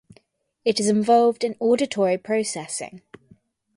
It is involved in auditory processing.